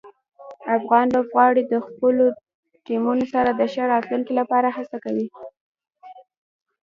افغان لوبغاړي د خپلو ټیمونو سره د ښه راتلونکي لپاره هڅه کوي.